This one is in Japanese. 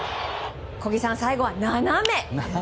小木さん、最後は斜め。